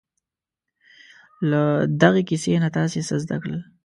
له دغې کیسې نه تاسې څه زده کړل؟